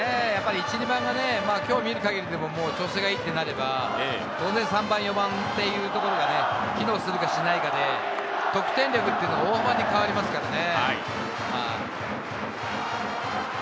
１・２番が今日見るかぎり、調子が良いとなれば、当然３番、４番というところが機能するかしないかで、得点力というのは大幅に変わりますからね。